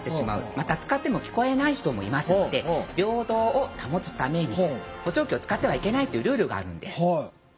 また使っても聞こえない人もいますので平等を保つために補聴器を使ってはいけないというルールがあるんです。